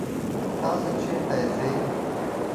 تاسو چرته ځئ؟